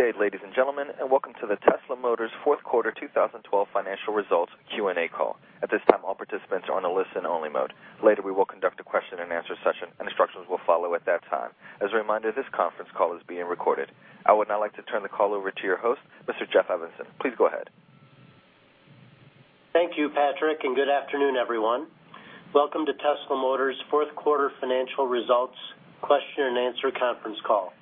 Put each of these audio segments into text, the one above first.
Good day, ladies and gentlemen, and welcome to the Tesla Motors fourth quarter 2012 financial results Q&A call. At this time, all participants are on a listen-only mode. Later, we will conduct a question-and-answer session, and instructions will follow at that time. As a reminder, this conference call is being recorded. I would now like to turn the call over to your host, Mr. Jeff Evanson. Please go ahead. Thank you, Patrick. Good afternoon, everyone. Welcome to Tesla Motors' fourth quarter financial results question-and-answer conference call.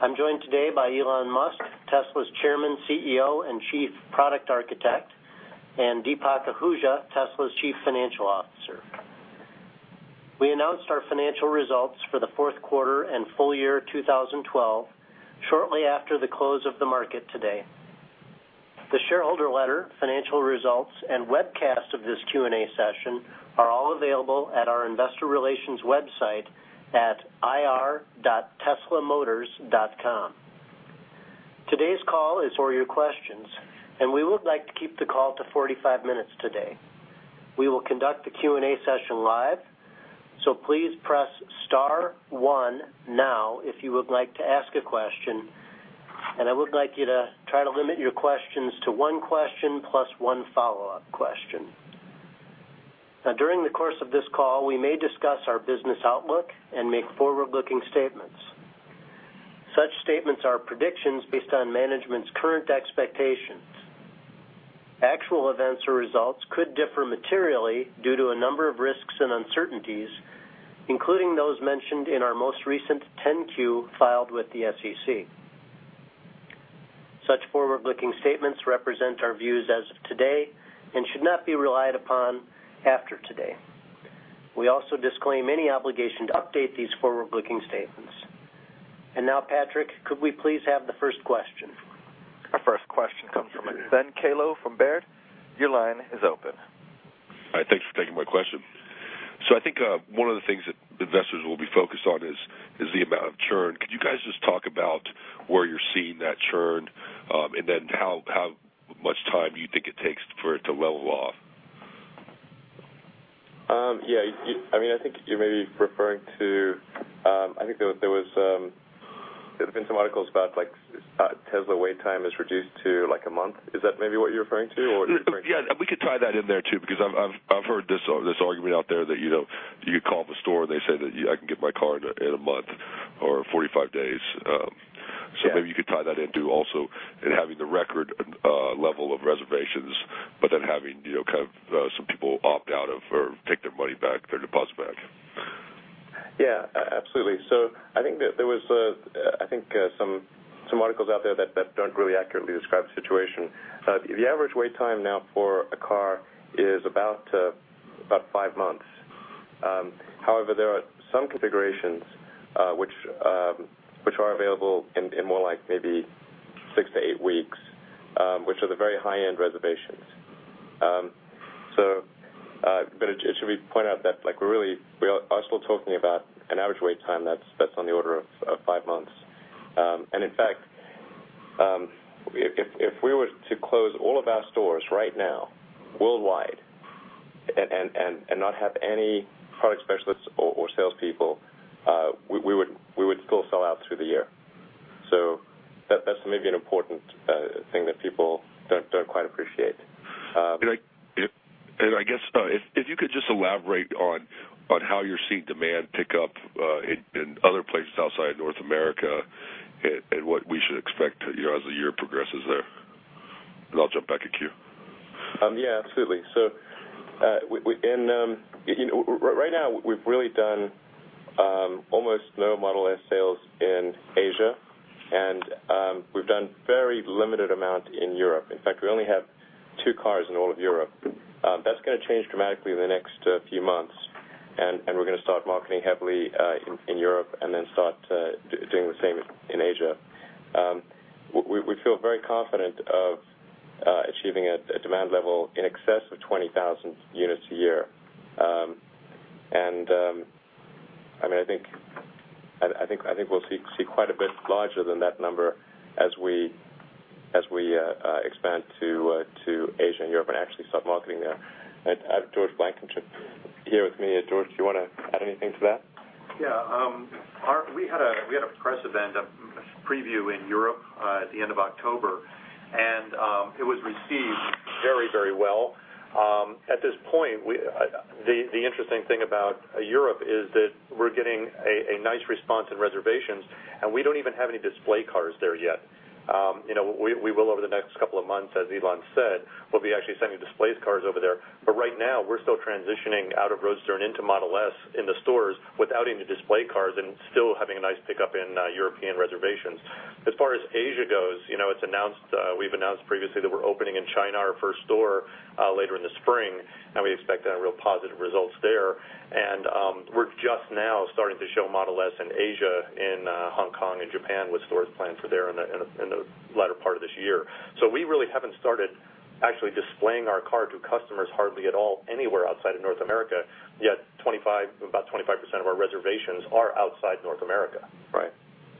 I'm joined today by Elon Musk, Tesla's Chairman, CEO, and Chief Product Architect, and Deepak Ahuja, Tesla's Chief Financial Officer. We announced our financial results for the fourth quarter and full year 2012 shortly after the close of the market today. The shareholder letter, financial results, and webcast of this Q&A session are all available at our investor relations website at ir.teslamotors.com. Today's call is for your questions, and we would like to keep the call to 45 minutes today. We will conduct the Q&A session live, so please press star 1 now if you would like to ask a question, and I would like you to try to limit your questions to 1 question plus 1 follow-up question. Now, during the course of this call, we may discuss our business outlook and make forward-looking statements. Such statements are predictions based on management's current expectations. Actual events or results could differ materially due to a number of risks and uncertainties, including those mentioned in our most recent 10-Q filed with the SEC. Such forward-looking statements represent our views as of today and should not be relied upon after today. We also disclaim any obligation to update these forward-looking statements. Now, Patrick, could we please have the first question? Our first question comes from Ben Kallo from Baird. Your line is open. Hi, thanks for taking my question. I think one of the things that investors will be focused on is the amount of churn. Could you guys just talk about where you're seeing that churn, how much time do you think it takes for it to level off? Yeah, I mean, I think you may be referring to, I think there was, there have been some articles about, like, Tesla wait time is reduced to, like, a month. Is that maybe what you're referring to, or? Yeah, we could tie that in there, too, because I've heard this argument out there that, you know, you could call the store and they say that, yeah, I can get my car in a month or 45 days. Maybe you could tie that into also in having the record level of reservations, but then having, you know, kind of some people opt out of or take their money back, their deposit back. Yeah, absolutely. I think that there was some articles out there that don't really accurately describe the situation. The average wait time now for a car is about five months. However, there are some configurations which are available in more like maybe six-eight weeks, which are the very high-end reservations. It should be pointed out that, like, we're really we are still talking about an average wait time that's on the order of five months. In fact, if we were to close all of our stores right now worldwide and not have any product specialists or salespeople, we would still sell out through the year. That's maybe an important thing that people don't quite appreciate. I guess, if you could just elaborate on how you're seeing demand pick up in other places outside North America and what we should expect, you know, as the year progresses there. I'll jump back in queue. Absolutely. We, you know, right now we've really done almost no Model S sales in Asia, and we've done very limited amount in Europe. In fact, we only have two cars in all of Europe. That's gonna change dramatically in the next few months, and we're gonna start marketing heavily in Europe and then start doing the same in Asia. We feel very confident of achieving a demand level in excess of 20,000 units a year. I mean, I think we'll see quite a bit larger than that number as we expand to Asia and Europe and actually start marketing there. I have George Blankenship here with me. George, do you wanna add anything to that? We had a press event, a preview in Europe at the end of October. It was received very, very well. At this point, the interesting thing about Europe is that we're getting a nice response in reservations, and we don't even have any display cars there yet. You know, we will over the next couple of months, as Elon said. We'll be actually sending display cars over there, but right now we're still transitioning out of Roadster and into Model S in the stores without even the display cars and still having a nice pickup in European reservations. As far as Asia goes, you know, it's announced, we've announced previously that we're opening in China our first store later in the spring, and we expect to have real positive results there. We're just now starting to show Model S in Asia, in Hong Kong and Japan with stores planned for there in the latter part of this year. We really haven't started actually displaying our car to customers hardly at all anywhere outside of North America, yet about 25% of our reservations are outside North America. Right.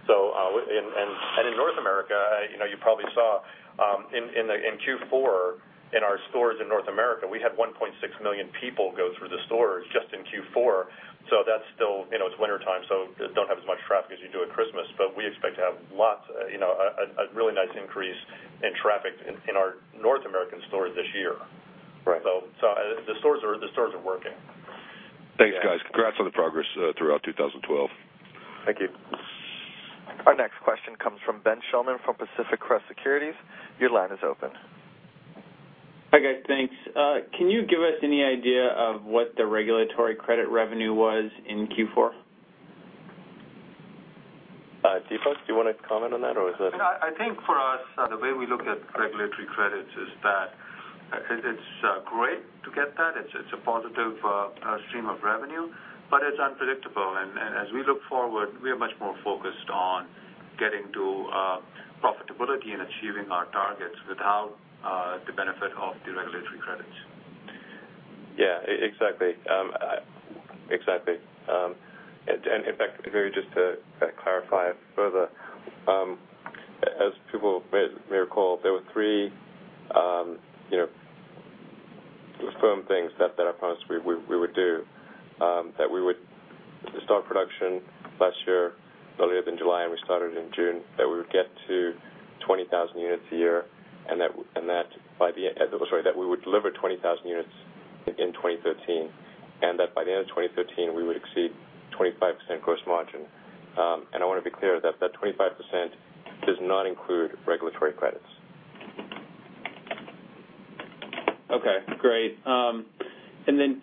And in North America, you know, you probably saw in Q4, in our stores in North America, we had 1.6 million people go through the stores just in Q4. That's still, you know, it's wintertime, so don't have as much traffic as you do at Christmas. We expect to have lots, you know, a really nice increase in traffic in our North American stores this year. Right. The stores are working. Thanks, guys. Congrats on the progress throughout 2012. Thank you. Our next question comes from Ben Schulman from Pacific Crest Securities. Your line is open. Hi, guys. Thanks. Can you give us any idea of what the regulatory credit revenue was in Q4? Deepak, do you wanna comment on that? No, I think for us, the way we look at regulatory credits is that it's great to get that. It's a positive stream of revenue, but it's unpredictable. As we look forward, we are much more focused on getting to profitability and achieving our targets without the benefit of the regulatory credits. Yeah. Exactly. Exactly. In fact, maybe just to kinda clarify it further, as people may recall, there were three, you know, firm things that I promised we would do, that we would start production last year earlier than July, and we started in June, that we would get to 20,000 units a year and that by the end Sorry, that we would deliver 20,000 units in 2013, and that by the end of 2013, we would exceed 25% gross margin. I wanna be clear that 25% does not include regulatory credits. Okay, great.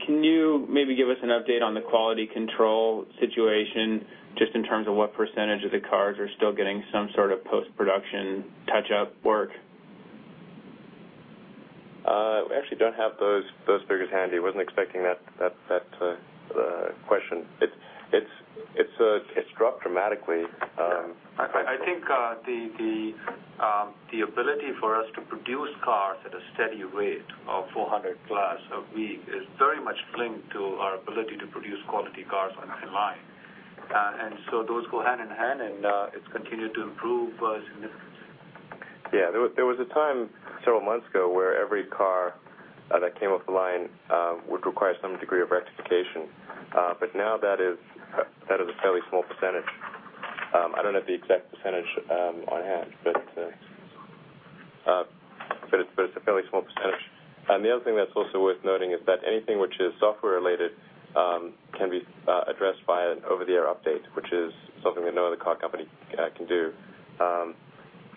Can you maybe give us an update on the quality control situation just in terms of what % of the cars are still getting some sort of post-production touch-up work? We actually don't have those figures handy. Wasn't expecting that question. It's dropped dramatically. I think, the ability for us to produce cars at a steady rate of 400+ a week is very much linked to our ability to produce quality cars online. Those go hand in hand, and it's continued to improve significantly. Yeah. There was a time several months ago where every car that came off the line would require some degree of rectification, but now that is that is a fairly small percentage. I don't know the exact percentage on hand, but it's a fairly small percentage. The other thing that's also worth noting is that anything which is software related can be addressed by an over-the-air update, which is something that no other car company can do.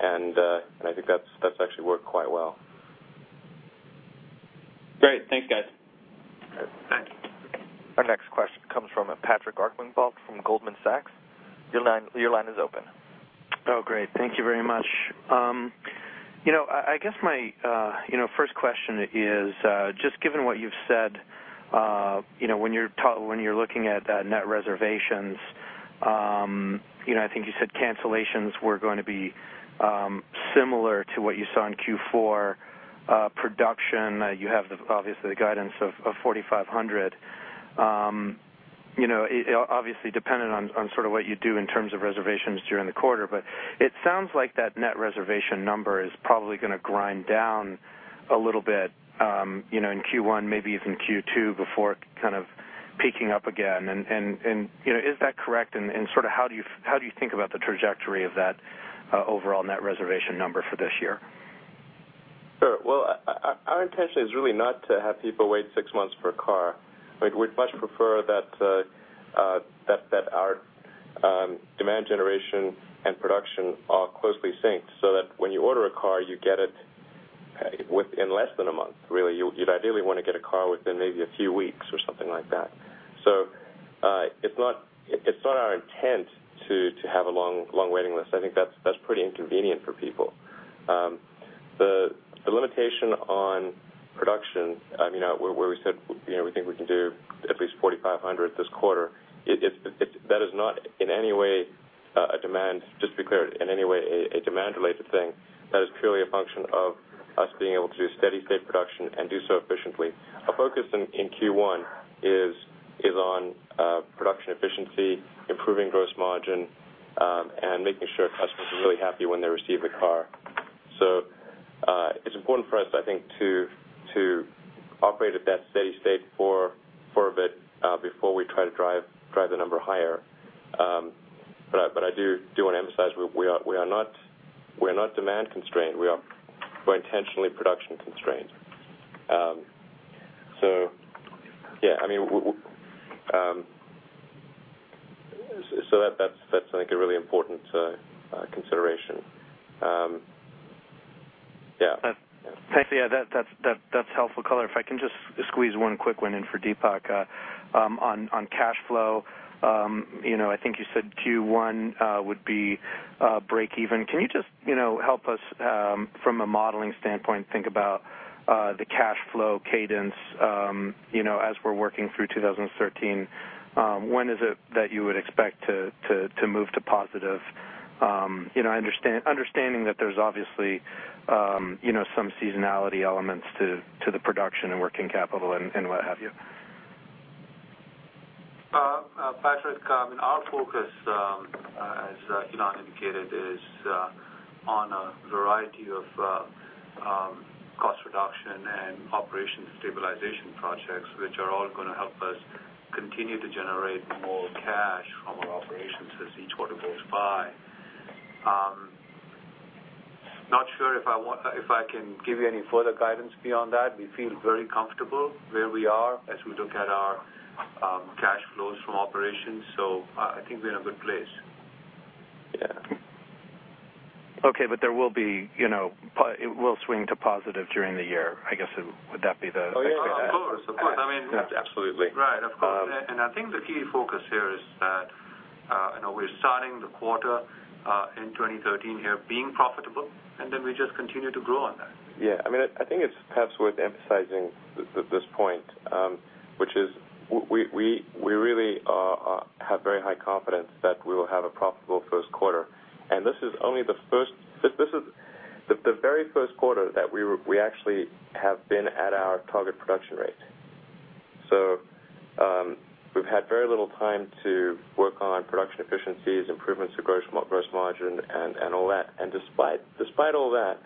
I think that's actually worked quite well. Great. Thanks, guys. All right. Thank you. Our next question comes from Patrick Archambault from Goldman Sachs. Your line is open. Great. Thank you very much. you know, I guess my, you know, first question is, just given what you've said, you know, when you're looking at, net reservations, you know, I think you said cancellations were going to be similar to what you saw in Q4. Production, you have the, obviously the guidance of 4,500. you know, obviously dependent on sort of what you do in terms of reservations during the quarter, but it sounds like that net reservation number is probably gonna grind down a little bit, you know, in Q1, maybe even Q2 before kind of peaking up again. you know, is that correct? Sort of how do you think about the trajectory of that overall net reservation number for this year? Sure. Well, our intention is really not to have people wait 6 months for a car. We'd much prefer that our demand generation and production are closely synced so that when you order a car, you get it within less than 1 month, really. You'd ideally wanna get a car within maybe a few weeks or something like that. It's not our intent to have a long waiting list. I think that's pretty inconvenient for people. The limitation on production, I mean, where we said, you know, we think we can do at least 4,500 this quarter. That is not in any way a demand, just to be clear, in any way a demand-related thing. That is purely a function of us being able to do steady state production and do so efficiently. Our focus in Q1 is on production efficiency, improving gross margin, and making sure customers are really happy when they receive the car. It's important for us, I think, to operate at that steady state for a bit, before we try to drive the number higher. I do wanna emphasize, we are not demand constrained. We're intentionally production constrained. Yeah, I mean that's I think a really important consideration. Yeah. Thanks. Yeah, that's helpful color. If I can just squeeze one quick one in for Deepak, on cash flow, you know, I think you said Q1 would be breakeven. Can you just, you know, help us from a modeling standpoint think about the cash flow cadence, you know, as we're working through 2013? When is it that you would expect to move to positive? You know, understanding that there's obviously, you know, some seasonality elements to the production and working capital and what have you. Patrick, our focus, as Elon indicated, is on a variety of cost reduction and operation stabilization projects, which are all gonna help us continue to generate more cash from our operations as each quarter goes by. Not sure if I can give you any further guidance beyond that. We feel very comfortable where we are as we look at our cash flows from operations. I think we're in a good place. Yeah. Okay. There will be, you know, it will swing to positive during the year, I guess would that be? Oh, yeah. Of course. Absolutely. Right. Of course. I think the key focus here is that, you know, we're starting the quarter in 2013 here being profitable, and then we just continue to grow on that. Yeah. I mean, I think it's perhaps worth emphasizing this point, which is we really have very high confidence that we will have a profitable first quarter. This is only the very first quarter that we actually have been at our target production rate. We've had very little time to work on production efficiencies, improvements to gross margin, and all that. Despite all that,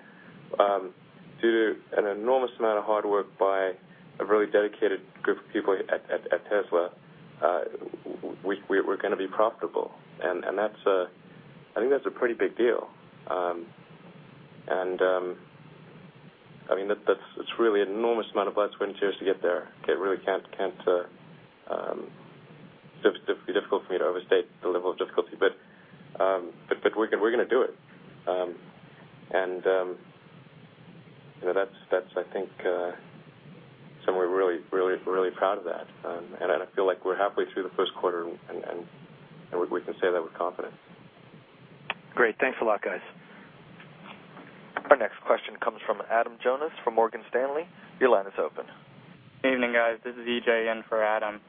due to an enormous amount of hard work by a really dedicated group of people at Tesla, we're gonna be profitable. That's I think that's a pretty big deal. I mean, it's really enormous amount of blood, sweat and tears to get there. It really can't be difficult for me to overstate the level of difficulty. But we're gonna do it. You know, that's, I think, somewhere we're really, really, really proud of that. I feel like we're halfway through the first quarter and we can say that with confidence. Great. Thanks a lot, guys. Our next question comes from Adam Jonas from Morgan Stanley. Your line is open. Evening, guys. This is EJ in for Adam.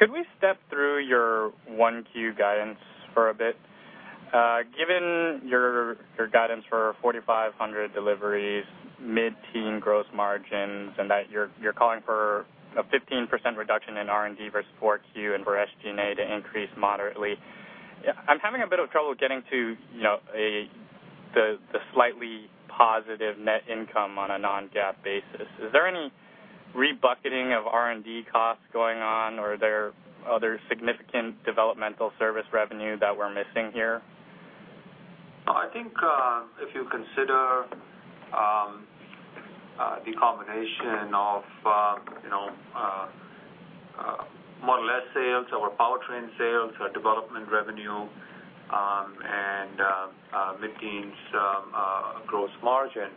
Could we step through your 1Q guidance for a bit? Given your guidance for 4,500 deliveries, mid-teen gross margins, and that you're calling for a 15% reduction in R&D versus 4Q and for SG&A to increase moderately, I'm having a bit of trouble getting to, you know, the slightly positive net income on a non-GAAP basis. Is there any re-bucketing of R&D costs going on, or are there other significant developmental service revenue that we're missing here? I think, if you consider, the combination of, you know, Model S sales, our powertrain sales, our development revenue, and mid-teens gross margin,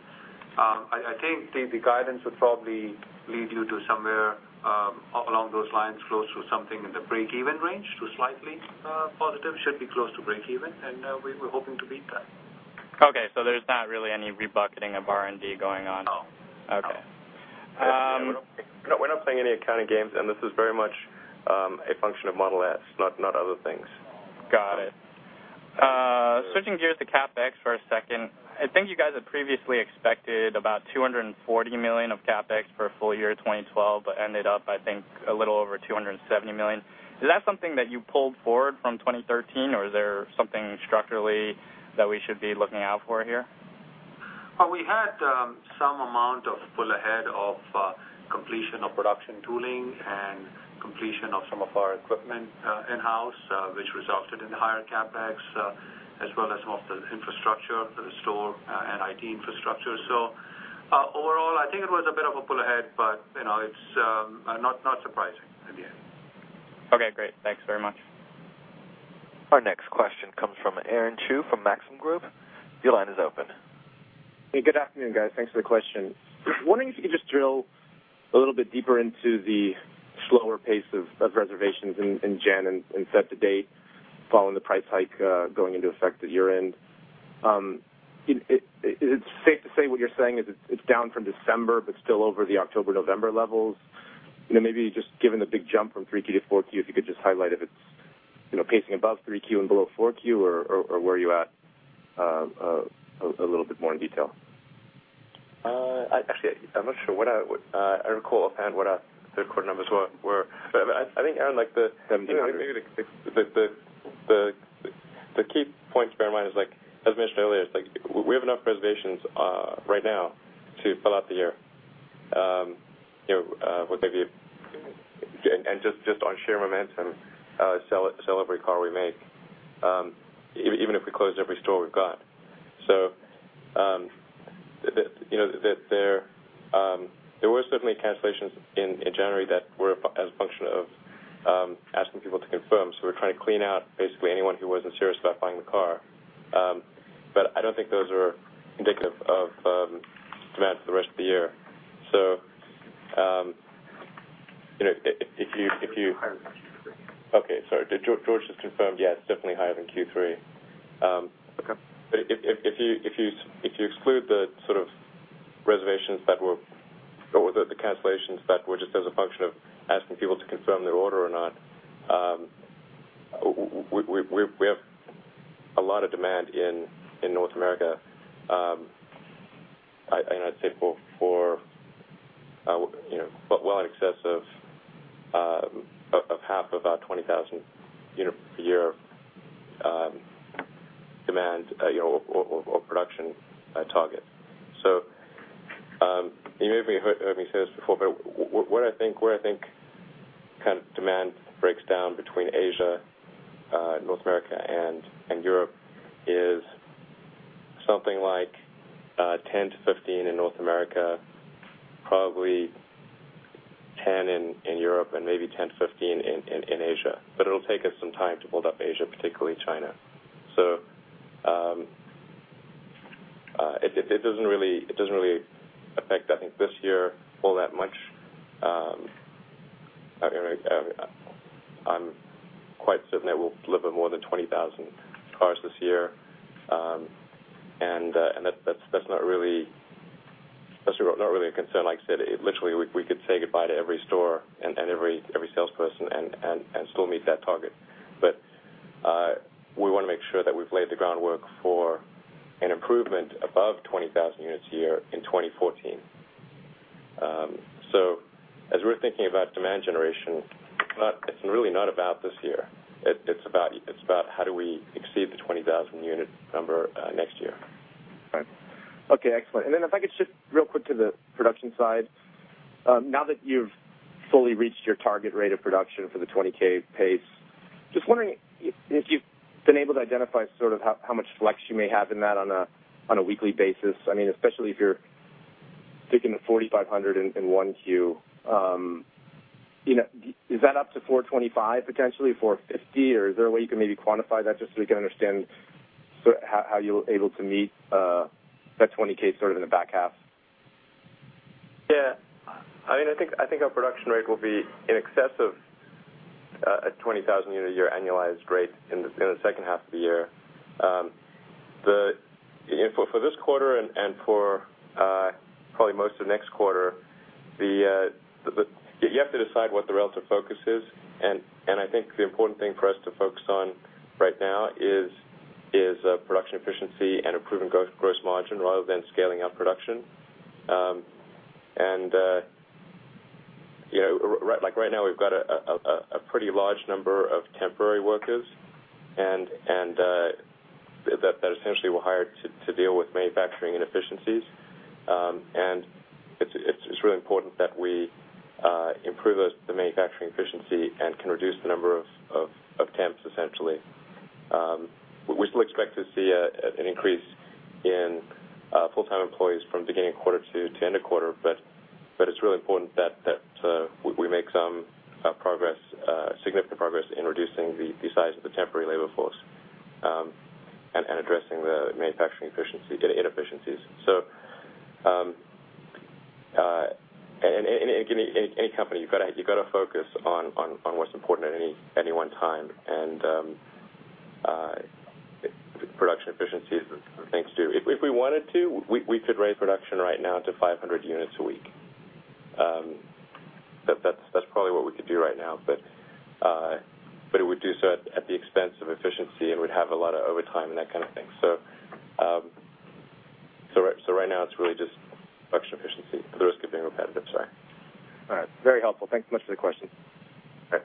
I think the guidance would probably lead you to somewhere along those lines close to something in the break-even range to slightly positive. Should be close to break even. We're hoping to beat that. Okay. There's not really any re-bucketing of R&D going on? No. Okay. We're not playing any accounting games, and this is very much a function of Model S, not other things. Got it. Switching gears to CapEx for a second. I think you guys had previously expected about $240 million of CapEx for full year 2012, but ended up, I think, a little over $270 million. Is that something that you pulled forward from 2013 or is there something structurally that we should be looking out for here? We had some amount of pull ahead of completion of production tooling and completion of some of our equipment in-house, which resulted in higher CapEx, as well as some of the infrastructure for the store and IT infrastructure. Overall, I think it was a bit of a pull ahead, but, you know, it's not surprising in the end. Okay, great. Thanks very much. Our next question comes from Aaron Chew from Maxim Group. Your line is open. Hey, good afternoon, guys. Thanks for the question. Wondering if you could just drill a little bit deeper into the slower pace of reservations in January and set to date following the price hike going into effect at year-end. Is it safe to say what you're saying is it's down from December, but still over the October, November levels? You know, maybe just given the big jump from 3Q to 4Q, if you could just highlight if it's, you know, pacing above 3Q and below 4Q or where are you at a little bit more in detail? Actually, I'm not sure what I recall offhand what our third quarter numbers were. I think, Aaron. 17 maybe. You know, maybe the key point to bear in mind is like, as mentioned earlier, it's like we have enough reservations right now to fill out the year, you know, with maybe And just on sheer momentum, sell every car we make, even if we closed every store we've got. You know, there were certainly cancellations in January that were as a function of asking people to confirm. We're trying to clean out basically anyone who wasn't serious about buying the car. I don't think those are indicative of demand for the rest of the year. It was higher than Q3. Okay, sorry. George just confirmed, yeah, it's definitely higher than Q3. Okay. If you exclude the sort of reservations that were or the cancellations that were just as a function of asking people to confirm their order or not. We have a lot of demand in North America. I'd say for, you know, well in excess of half of our 20,000 unit per year demand, you know, or production target. You may have heard me say this before, where I think kind of demand breaks down between Asia, North America and Europe is something like 10-15 in North America, probably 10 in Europe, and maybe 10-15 in Asia. It'll take us some time to build up Asia, particularly China. It doesn't really affect, I think, this year all that much. I mean, I'm quite certain that we'll deliver more than 20,000 cars this year. That's not really a concern. Like I said, literally, we could say goodbye to every store and every salesperson and still meet that target. We wanna make sure that we've laid the groundwork for an improvement above 20,000 units a year in 2014. As we're thinking about demand generation, it's really not about this year. It's about how do we exceed the 20,000 unit number next year. Right. Okay, excellent. If I could shift real quick to the production side. Now that you've fully reached your target rate of production for the 20K pace, just wondering if you've been able to identify sort of how much flex you may have in that on a weekly basis. I mean, especially if you're thinking of 4,500 in 1Q. You know, is that up to 425 potentially, 450? Or is there a way you can maybe quantify that just so we can understand sort of how you're able to meet that 20K sort of in the back half? Yeah, I mean, I think our production rate will be in excess of a 20,000 unit a year annualized rate in the second half of the year. The, you know, for this quarter and for probably most of next quarter, you have to decide what the relative focus is, and I think the important thing for us to focus on right now is production efficiency and improving gross margin rather than scaling up production. You know, right now we've got a pretty large number of temporary workers and that essentially were hired to deal with manufacturing inefficiencies. It's really important that we improve those, the manufacturing efficiency and can reduce the number of temps essentially. We still expect to see an increase in full-time employees from beginning Q2 to end of the quarter, but it's really important that we make significant progress in reducing the size of the temporary labor force and addressing the manufacturing inefficiencies. Any company, you've gotta focus on what's important at any one time. Production efficiency is the thing to do. If we wanted to, we could raise production right now to 500 units a week. That's probably what we could do right now. It would do so at the expense of efficiency, and we'd have a lot of overtime and that kind of thing. Right now it's really just production efficiency. At the risk of being repetitive, sorry. All right. Very helpful. Thank you so much for the question. Okay.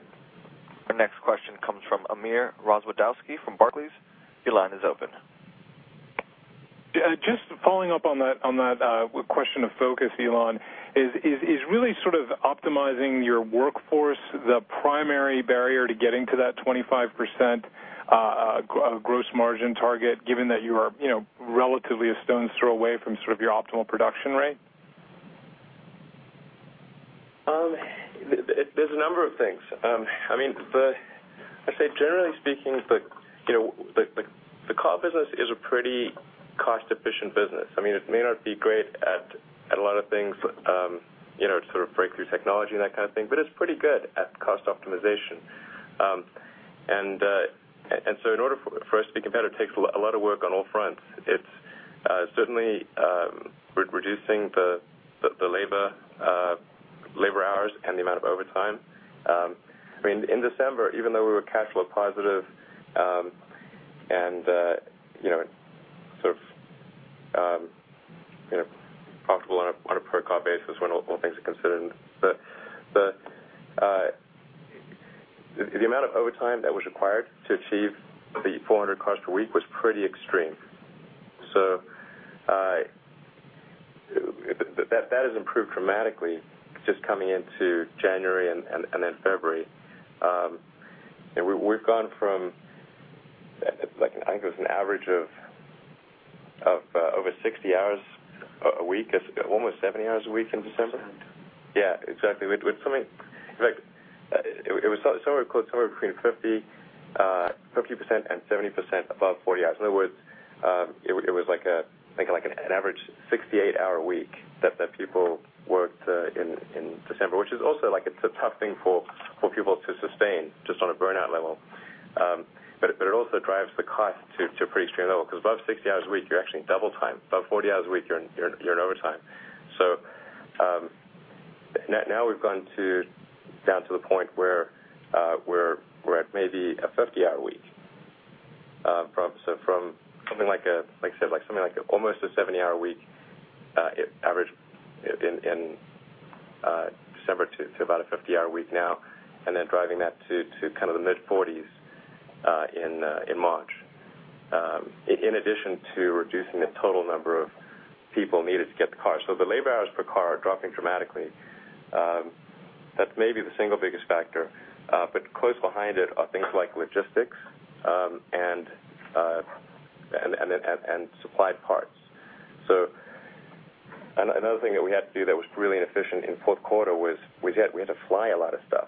Our next question comes from Amir Rozwadowski from Barclays. Your line is open. Just following up on that question of focus, Elon, is really sort of optimizing your workforce the primary barrier to getting to that 25% gross margin target, given that you are, you know, relatively a stone's throw away from sort of your optimal production rate? There's a number of things. I mean, I'd say generally speaking, you know, the car business is a pretty cost-efficient business. I mean, it may not be great at a lot of things, you know, sort of breakthrough technology and that kind of thing, but it's pretty good at cost optimization. So in order for us to be competitive, it takes a lot of work on all fronts. It's certainly reducing the labor hours and the amount of overtime. I mean, in December, even though we were cash flow positive, and, you know, sort of, you know, profitable on a per car basis when all things are considered, the amount of overtime that was required to achieve the 400 cars per week was pretty extreme. That has improved dramatically just coming into January and then February. You know, we've gone from, like, I think it was an average of over 60 hours a week, almost 70 hours a week in December. Wow. Yeah, exactly. With something In fact, it was somewhere between 50% and 70% above 40 hours. In other words, it was like an average 68-hour week that people worked in December, which is also like, it's a tough thing for people to sustain just on a burnout level. It also drives the cost to a pretty extreme level, because above 60 hours a week, you're actually in double time. Above 40 hours a week, you're in overtime. Now we've gone down to the point where we're at maybe a 50-hour week. Almost a 70-hour week average in December to about a 50-hour week now, and then driving that to kind of the mid-40s in March. In addition to reducing the total number of people needed to get the car. The labor hours per car are dropping dramatically. That's maybe the single biggest factor, but close behind it are things like logistics, and supplied parts. Another thing that we had to do that was really inefficient in fourth quarter was we had to fly a lot of stuff.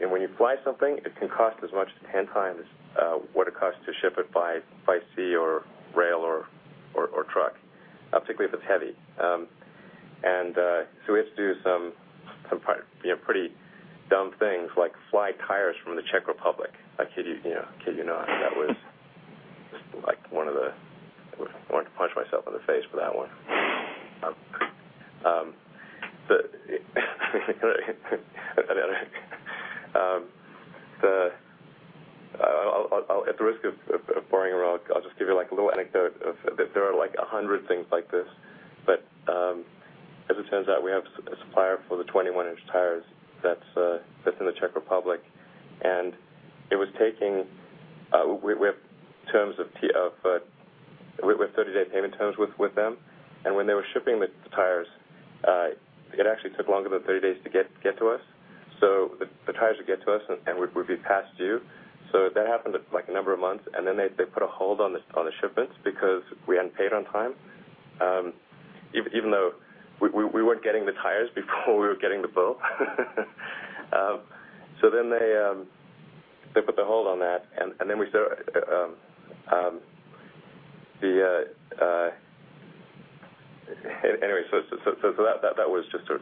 When you fly something, it can cost as much as 10x what it costs to ship it by sea or rail or truck, particularly if it's heavy. We had to do some, you know, pretty dumb things like fly tires from the Czech Republic. I kid you not. That was just like one of the I want to punch myself in the face for that one. I'll at the risk of boring you, I'll just give you like a little anecdote there are like 100 things like this. As it turns out, we have a supplier for the 21-inch tires that's in the Czech Republic. It was taking, we have terms of, we have 30-day payment terms with them. When they were shipping the tires, it actually took longer than 30 days to get to us. The tires would get to us and would be past due. That happened like a number of months, then they put a hold on the shipments because we hadn't paid on time. Even though we weren't getting the tires before we were getting the bill. They put the hold on that, then we start. Anyway, that was just a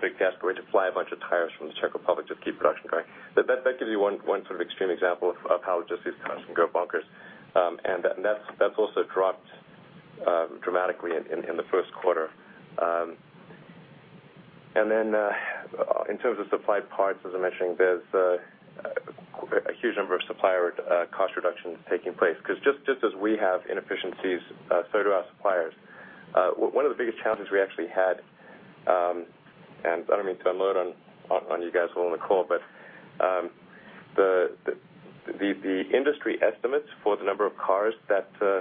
big desperate way to fly a bunch of tires from the Czech Republic to keep production going. That gives you one sort of extreme example of how logistics costs can go bonkers. That's also dropped dramatically in the first quarter. In terms of supplied parts, as I mentioned, there's a huge number of supplier cost reductions taking place, 'cause just as we have inefficiencies, so do our suppliers. One of the biggest challenges we actually had, and I don't mean to unload on you guys all on the call, but the industry estimates for the number of cars that we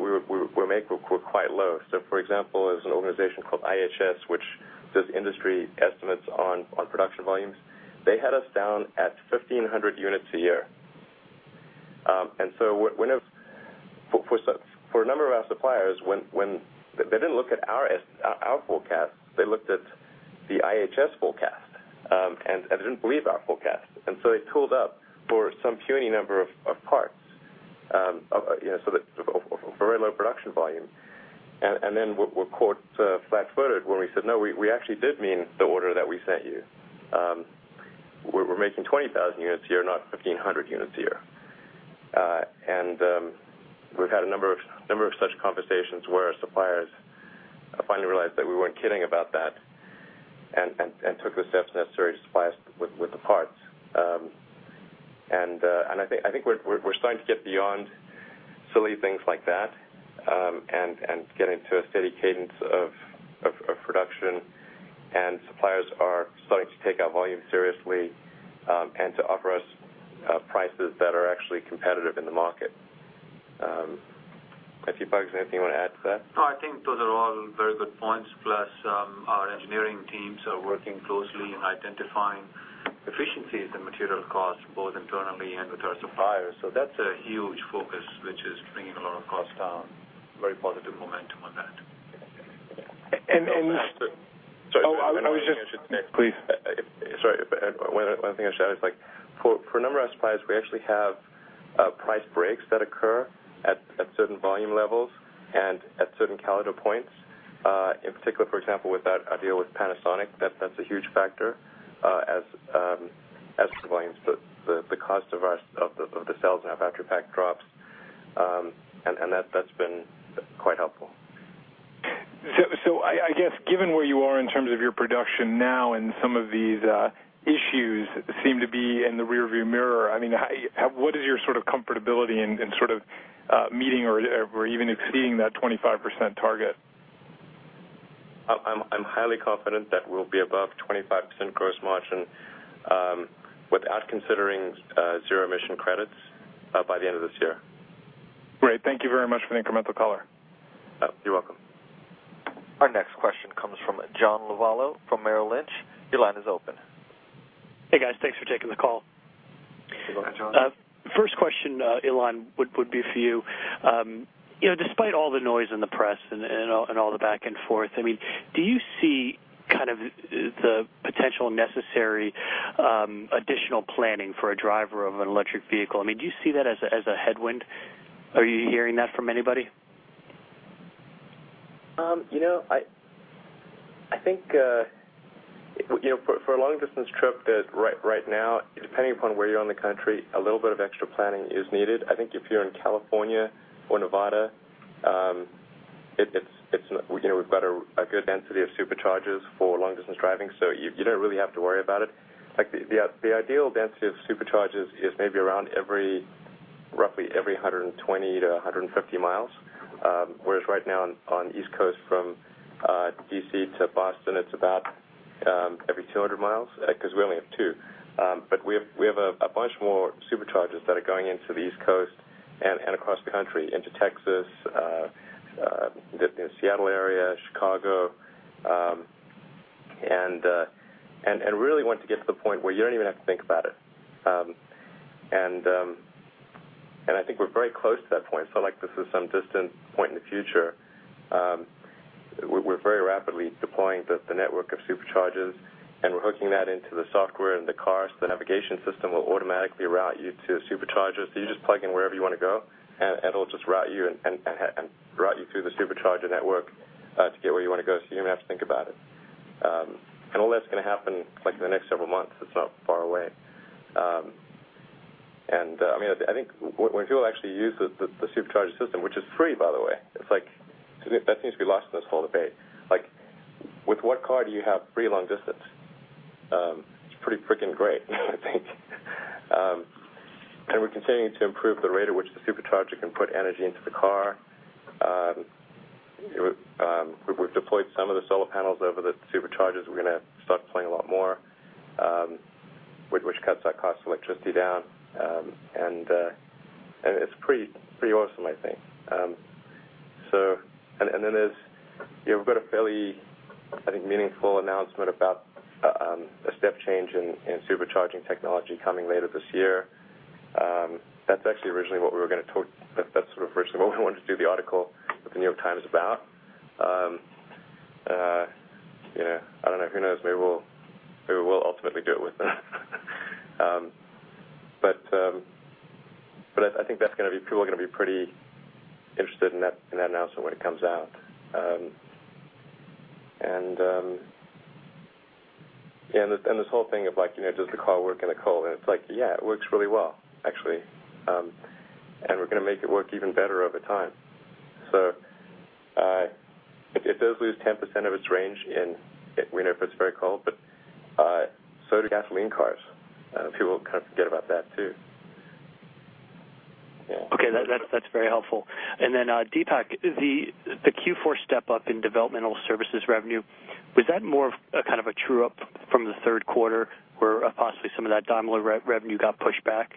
were making were quite low. For example, there's an organization called IHS, which does industry estimates on production volumes. They had us down at 1,500 units a year. For a number of our suppliers, when they didn't look at our forecast. They looked at the IHS forecast, and they didn't believe our forecast. They tooled up for some puny number of parts, you know, for a very low production volume. Then were caught flat-footed when we said, "No, we actually did mean the order that we sent you. We're making 20,000 units a year, not 1,500 units a year." We've had a number of such conversations where suppliers finally realized that we weren't kidding about that and took the steps necessary to supply us with the parts. I think, I think we're starting to get beyond silly things like that, and get into a steady cadence of production. Suppliers are starting to take our volume seriously, and to offer us prices that are actually competitive in the market. Deepak, anything you wanna add to that? No, I think those are all very good points. Our engineering teams are working closely in identifying efficiencies in material costs, both internally and with our suppliers. That's a huge focus, which is bringing a lot of costs down. Very positive momentum on that. And, and- Just to- Oh, I was just. Sorry. One other thing I should mention. Please. Sorry. One thing I should add is like for a number of suppliers, we actually have price breaks that occur at certain volume levels and at certain calendar points. In particular, for example, with that, our deal with Panasonic, that's a huge factor, as the volumes, the cost of the cells in our battery pack drops. That's been quite helpful. I guess, given where you are in terms of your production now and some of these issues seem to be in the rearview mirror, I mean, how, what is your sort of comfortability in sort of meeting or even exceeding that 25% target? I'm highly confident that we'll be above 25% gross margin without considering zero emission credits by the end of this year. Great. Thank you very much for the incremental color. Oh, you're welcome. Our next question comes from John Lovallo from Merrill Lynch. Your line is open. Hey, guys. Thanks for taking the call. You're welcome, John. First question, Elon, would be for you. You know, despite all the noise in the press and all the back and forth, I mean, do you see kind of the potential necessary, additional planning for a driver of an electric vehicle? I mean, do you see that as a headwind? Are you hearing that from anybody? You know, I think, you know, for a long-distance trip that right now, depending upon where you are in the country, a little bit of extra planning is needed. I think if you're in California or Nevada, it's, you know, we've got a good density of Superchargers for long-distance driving, so you don't really have to worry about it. Like, the ideal density of Superchargers is maybe around every, roughly every 120 to 150 miles. Whereas right now on the East Coast from, D.C. to Boston, it's about every 200 miles, 'cause we only have two. We have a bunch more Superchargers that are going into the East Coast and across the country into Texas, the, you know, Seattle area, Chicago, and really want to get to the point where you don't even have to think about it. I think we're very close to that point. It's not like this is some distant point in the future. We're very rapidly deploying the network of Superchargers, and we're hooking that into the software in the cars. The navigation system will automatically route you to a Supercharger. You just plug in wherever you wanna go, and it'll just route you and route you through the Supercharger network to get where you wanna go, so you don't even have to think about it. All that's gonna happen, like, in the next several months. It's not far away. I mean, I think when people actually use the Supercharger system, which is free, by the way, it's like, that seems to be lost in this whole debate. Like, with what car do you have free long distance? It's pretty freaking great, I think. We're continuing to improve the rate at which the Supercharger can put energy into the car. We've deployed some of the solar panels over the Superchargers. We're gonna start deploying a lot more, which cuts that cost of electricity down. It's pretty awesome, I think. Then there's, you know, we've got a fairly, I think, meaningful announcement about a step change in Supercharging technology coming later this year. That's actually sort of originally what we wanted to do the article with The New York Times about. You know, I don't know. Who knows? Maybe we'll ultimately do it with them. I think that's gonna be, people are gonna be pretty interested in that announcement when it comes out. Yeah, this whole thing of, like, you know, does the car work in the cold? It's like, yeah, it works really well, actually. We're gonna make it work even better over time. It does lose 10% of its range in winter if it's very cold. So do gasoline cars. People kind of forget about that, too. Yeah. Okay. That's very helpful. Then, Deepak, the Q4 step-up in developmental services revenue, was that more of a kind of a true-up from the third quarter where possibly some of that Daimler revenue got pushed back?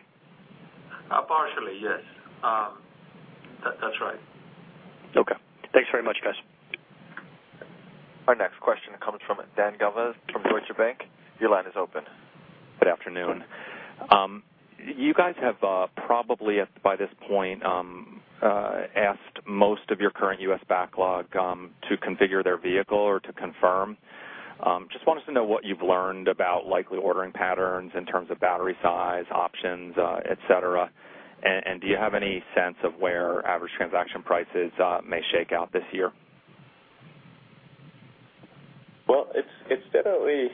Partially, yes. That's right. Okay. Thanks very much, guys. Our next question comes from Dan Galves from Deutsche Bank. Your line is open. Good afternoon. You guys have probably by this point asked most of your current U.S. backlog to configure their vehicle or to confirm. Just wanted to know what you've learned about likely ordering patterns in terms of battery size, options, et cetera. Do you have any sense of where average transaction prices may shake out this year? It's definitely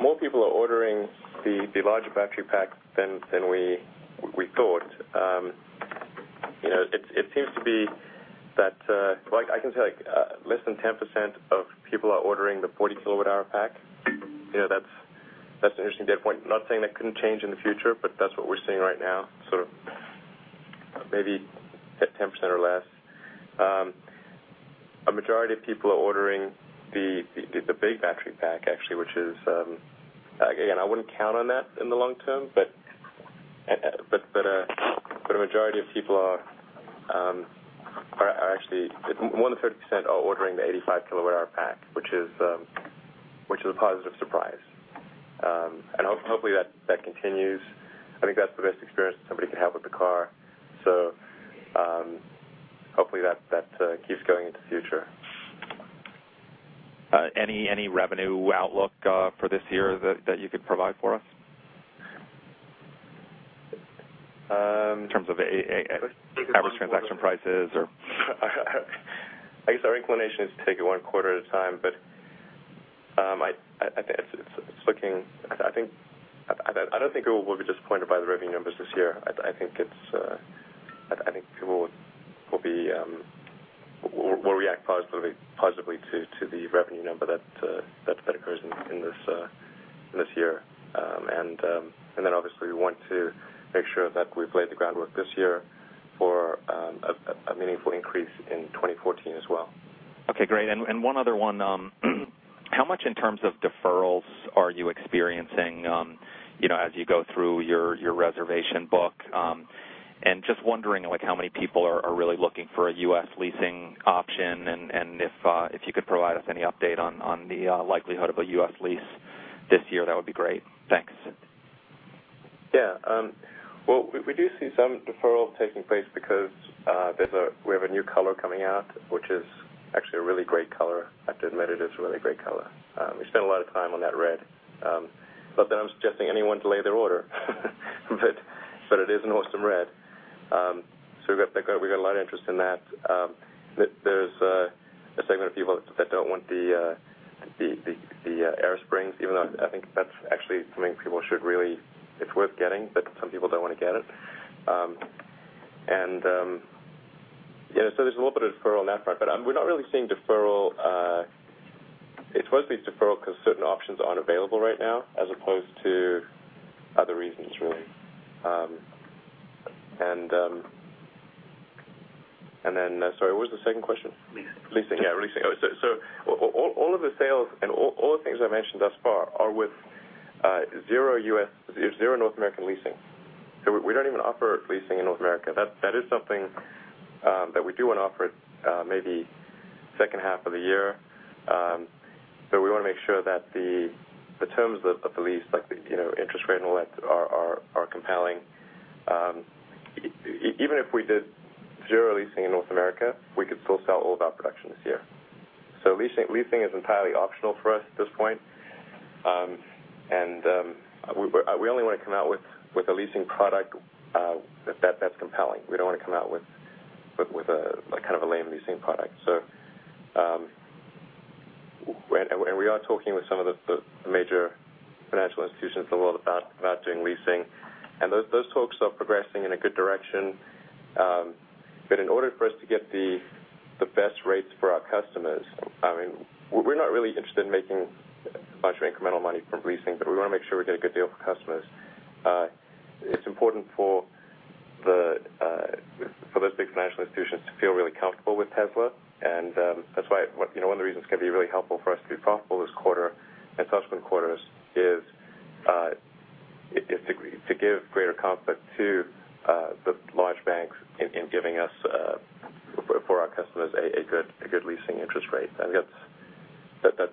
more people are ordering the larger battery pack than we thought. You know, it seems to be that like I can say, like less than 10% of people are ordering the 40 kWh pack. You know, that's an interesting data point. Not saying that couldn't change in the future, but that's what we're seeing right now, sort of maybe at 10% or less. A majority of people are ordering the big battery pack actually, which is again, I wouldn't count on that in the long term, but a majority of people are actually more than 30% are ordering the 85 kWh pack, which is a positive surprise. Hopefully that continues. I think that's the best experience somebody could have with the car. Hopefully that keeps going into the future. Any revenue outlook for this year that you could provide for us? Um- In terms of average transaction prices. I guess our inclination is to take it one quarter at a time, but it's looking, I think, I don't think we'll be disappointed by the revenue numbers this year. I think it's, I think people will react positively to the revenue number that occurs in this year. Then obviously we want to make sure that we've laid the groundwork this year for a meaningful increase in 2014 as well. Okay, great. One other one, how much in terms of deferrals are you experiencing, you know, as you go through your reservation book? Just wondering, like how many people are really looking for a U.S. leasing option, and if you could provide us any update on the likelihood of a U.S. lease this year, that would be great. Thanks. Well, we do see some deferrals taking place because there's a new color coming out, which is actually a really great color. I have to admit, it is a really great color. We spent a lot of time on that red. Not that I'm suggesting anyone delay their order, but it is an awesome red. We got a lot of interest in that. There's a segment of people that don't want the air springs, even though I think that's actually something people should really, it's worth getting, but some people don't wanna get it. There's a little bit of deferral on that front. We're not really seeing deferral. It's mostly deferral 'cause certain options aren't available right now as opposed to other reasons really. Sorry, what was the second question? Leasing. Leasing. Yeah, leasing. All of the sales and all the things I mentioned thus far are with zero U.S. zero North American leasing. We don't even offer leasing in North America. That is something that we do wanna offer, maybe second half of the year. We wanna make sure that the terms of the lease, like the, you know, interest rate and all that are compelling. Even if we did zero leasing in North America, we could still sell all of our production this year. Leasing is entirely optional for us at this point. We only wanna come out with a leasing product that's compelling. We don't wanna come out with a kind of a lame leasing product. We are talking with some of the major financial institutions in the world about doing leasing, and those talks are progressing in a good direction. In order for us to get the best rates for our customers, I mean, we're not really interested in making a bunch of incremental money from leasing, but we wanna make sure we get a good deal for customers. It's important for those big financial institutions to feel really comfortable with Tesla, and that's why, you know, one of the reasons it's gonna be really helpful for us to be profitable this quarter and subsequent quarters is to give greater comfort to the large banks in giving us for our customers a good leasing interest rate. I think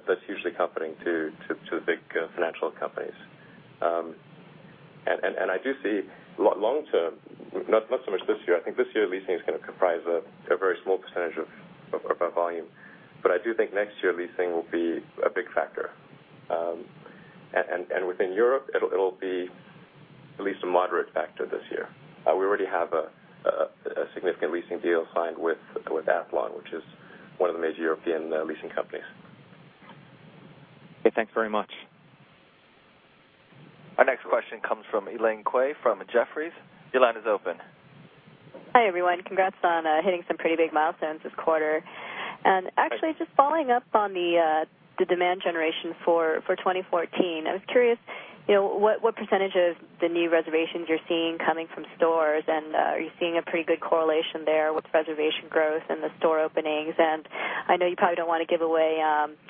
that's hugely comforting to the big financial companies. I do see long-term, not so much this year, I think this year leasing is gonna comprise a very small percentage of our volume, but I do think next year leasing will be a big factor. Within Europe it'll be at least a moderate factor this year. We already have a significant leasing deal signed with Athlon, which is one of the major European leasing companies. Okay, thanks very much. Our next question comes from Elaine Kwei from Jefferies. Your line is open. Hi, everyone. Congrats on hitting some pretty big milestones this quarter. Thanks. Just following up on the demand generation for 2014, I was curious, you know, what percentage of the new reservations you're seeing coming from stores, and are you seeing a pretty good correlation there with reservation growth and the store openings? I know you probably don't wanna give away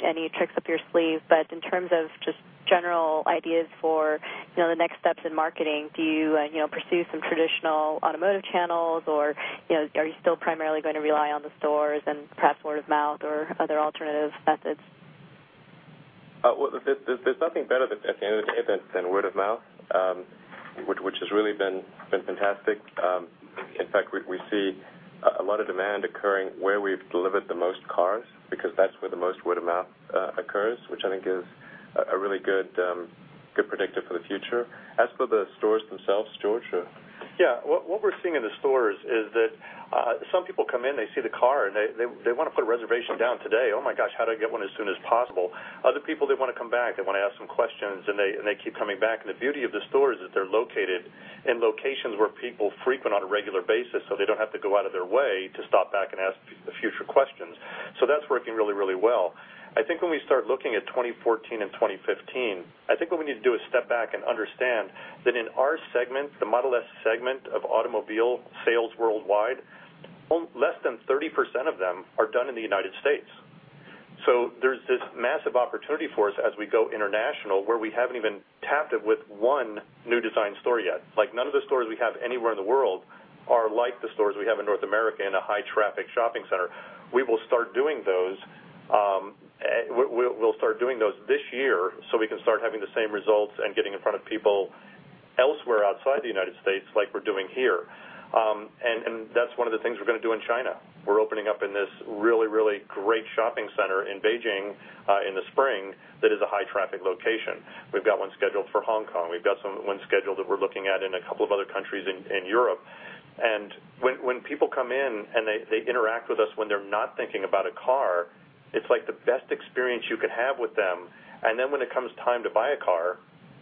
any tricks up your sleeve, in terms of just general ideas for, you know, the next steps in marketing, do you know, pursue some traditional automotive channels, or, you know, are you still primarily gonna rely on the stores and perhaps word of mouth or other alternative methods? Well, there's nothing better than, at the end of the day, than word of mouth, which has really been fantastic. In fact, we see a lot of demand occurring where we've delivered the most cars because that's where the most word of mouth occurs, which I think is a really good predictor for the future. As for the stores themselves, George? What we're seeing in the stores is that some people come in, they see the car, and they wanna put a reservation down today. "Oh my gosh, how do I get one as soon as possible." Other people, they wanna come back, they wanna ask some questions, and they keep coming back. The beauty of the store is that they're located in locations where people frequent on a regular basis, so they don't have to go out of their way to stop back and ask future questions. That's working really well. I think when we start looking at 2014 and 2015, I think what we need to do is step back and understand that in our segment, the Model S segment of automobile sales worldwide, less than 30% of them are done in the U.S. There's this massive opportunity for us as we go international, where we haven't even tapped it with one new design store yet. None of the stores we have anywhere in the world are like the stores we have in North America in a high-traffic shopping center. We will start doing those, we'll start doing those this year, so we can start having the same results and getting in front of people elsewhere outside the U.S. like we're doing here. That's one of the things we're gonna do in China. We're opening up in this really, really great shopping center in Beijing in the spring that is a high-traffic location. We've got one scheduled for Hong Kong. We've got one scheduled that we're looking at in a couple of other countries in Europe. When people come in and interact with us when they're not thinking about a car, it's like the best experience you could have with them. When it comes time to buy a car,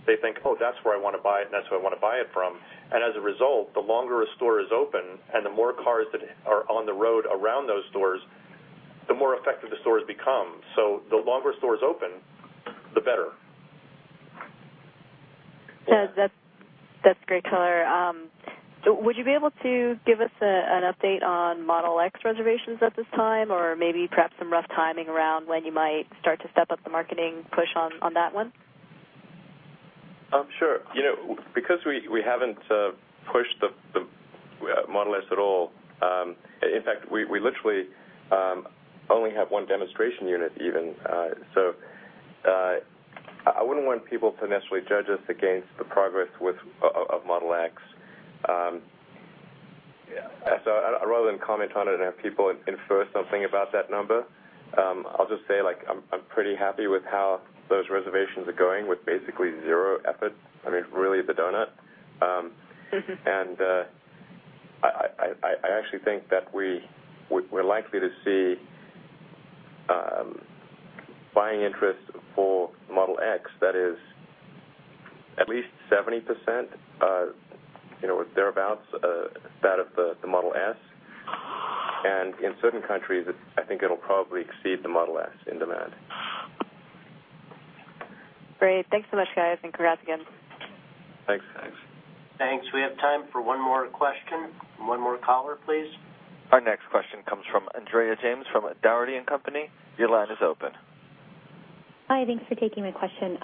they think, "Oh, that's where I wanna buy it, and that's who I wanna buy it from." As a result, the longer a store is open and the more cars that are on the road around those stores, the more effective the stores become. The longer stores open, the better. Yeah, that's great color. Would you be able to give us an update on Model X reservations at this time? Maybe perhaps some rough timing around when you might start to step up the marketing push on that one? Sure. You know, because we haven't pushed the Model S at all, in fact, we literally only have one demonstration unit even, so I wouldn't want people to necessarily judge us against the progress with Model X. Rather than comment on it and have people infer something about that number, I'll just say, like I'm pretty happy with how those reservations are going with basically 0 effort. I mean, really the donut. I actually think that we're likely to see buying interest for Model X that is at least 70%, you know, or thereabouts, that of the Model S. In certain countries, I think it'll probably exceed the Model S in demand. Great. Thanks so much, guys, and congrats again. Thanks. Thanks. Thanks. We have time for one more question. One more caller, please. Our next question comes from Andrea James from Dougherty & Company. Your line is open. Hi, thanks for taking my question.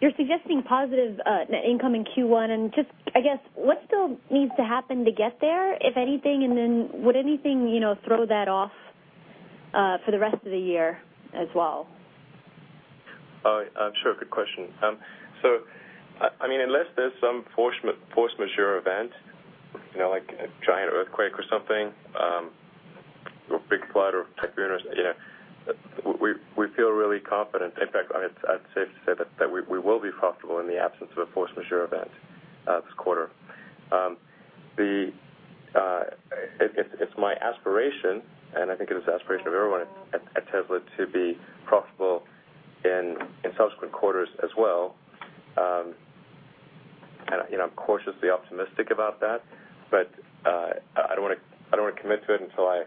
You're suggesting positive net income in Q1 and just, I guess, what still needs to happen to get there, if anything, and then would anything, you know, throw that off for the rest of the year as well? Sure. Good question. I mean, unless there's some force majeure event, you know, like a giant earthquake or something, or big flood or typhoon or, you know, we feel really confident. In fact, I'd say that we will be profitable in the absence of a force majeure event this quarter. The, it's my aspiration and I think it is the aspiration of everyone at Tesla to be profitable in subsequent quarters as well. You know, I'm cautiously optimistic about that, but I don't wanna commit to it until I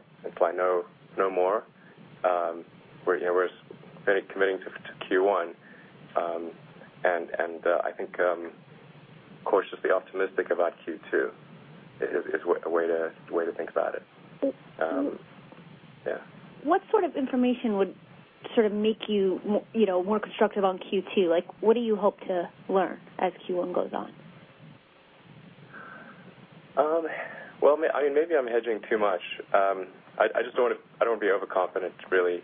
know more. We're, you know, we're committing to Q1, I think cautiously optimistic about Q2 is a way to think about it. Yeah. What sort of information would sort of make you know, more constructive on Q2? Like, what do you hope to learn as Q1 goes on? Well, I mean, maybe I'm hedging too much. I just don't wanna be overconfident, really.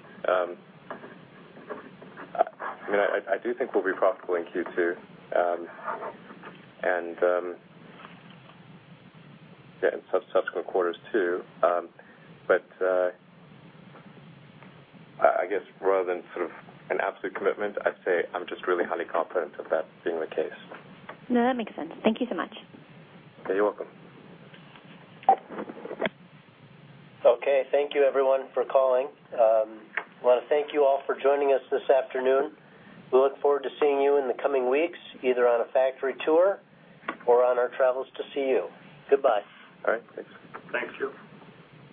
I mean, I do think we'll be profitable in Q2, and, yeah, in subsequent quarters too. I guess rather than sort of an absolute commitment, I'd say I'm just really highly confident of that being the case. No, that makes sense. Thank you so much. You're welcome. Okay. Thank you everyone for calling. I wanna thank you all for joining us this afternoon. We look forward to seeing you in the coming weeks, either on a factory tour or on our travels to see you. Goodbye. All right, thanks. Thank you.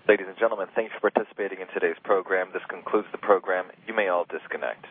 Ladies and gentlemen, thank you for participating in today's program. This concludes the program. You may all disconnect.